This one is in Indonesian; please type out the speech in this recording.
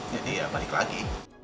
jadi ya balik lagi